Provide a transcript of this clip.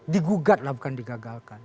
digugat lah bukan digagalkan